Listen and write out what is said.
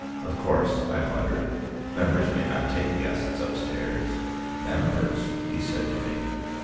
"Of course," I muttered, "members may not take guests upstairs." "Members!" he said to me.